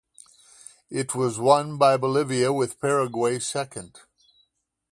It was won by Bolivia with Paraguay second.